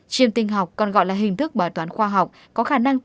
chiêm tinh học còn gọi là hình thức bảo toán khoa học